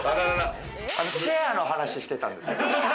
チェアの話してたんです。